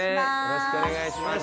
よろしくお願いします。